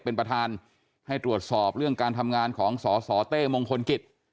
เป็นประธานให้ตรวจสอบเรื่องการทำงานของสสเต้มงคลกิจ